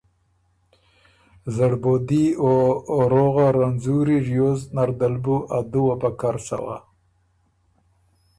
زړبودي او روغه رنځُوری ریوز نر دل بُو ا دُوه په کر څوا۔